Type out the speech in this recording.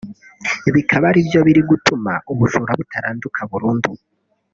bikaba ari byo biri gutuma ubujura butaranduka burundu